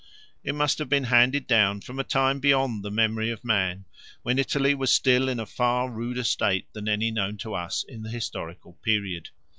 It must have been handed down from a time beyond the memory of man, when Italy was still in a far ruder state than any known to us in the historical period.